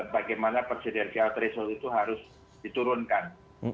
bagaimana persidirgaat risul itu harus diturunkan